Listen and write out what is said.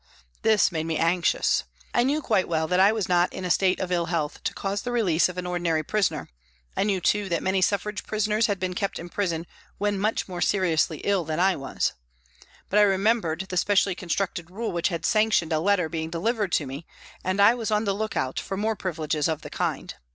This made me anxious. I knew quite well that I was not in a state of ill health to cause the release of an ordinary prisoner ; I knew, too, that many suffrage prisoners had been kept in prison when much more seriously ill than I was. But I remembered the specially constructed rule which had sanctioned a letter being delivered to me, and I was on the look out for more privileges of the kind.